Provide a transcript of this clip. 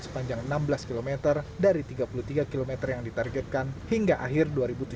sepanjang enam belas km dari tiga puluh tiga km yang ditargetkan hingga akhir dua ribu tujuh belas